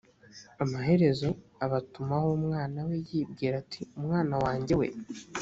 amaherezo abatumaho umwana we yibwira ati umwana wanjye we